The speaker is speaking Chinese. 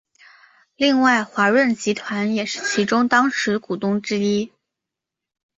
另外华润集团也是其中当时股东之一。